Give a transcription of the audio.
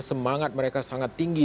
semangat mereka sangat tinggi